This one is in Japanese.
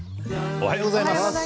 おはようございます。